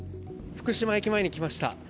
福島駅前に来ました。